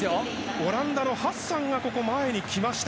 オランダのハッサンが前に来ました。